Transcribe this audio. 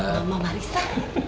kalau mama marissa